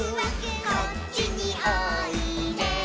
「こっちにおいで」